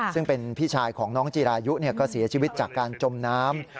ซึ่งเป็นพี่ชายของน้องจีรายุก็เสียชีวิตจากการจมน้ำ